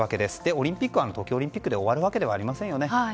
オリンピックは東京オリンピックで終わるわけではありませんよね。